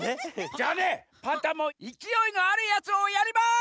じゃあねパンタンもいきおいのあるやつをやります！